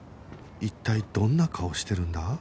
一体どんな顔してるんだ？